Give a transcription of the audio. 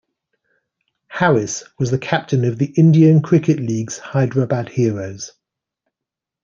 Harris was the captain of the Indian Cricket League's Hyderabad Heroes.